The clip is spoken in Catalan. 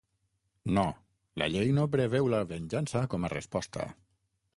No, la llei no preveu la venjança com a resposta.